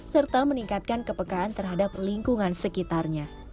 serta meningkatkan kepekaan terhadap lingkungan sekitarnya